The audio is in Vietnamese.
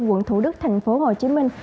quận thủ đức thành phố hồ chí minh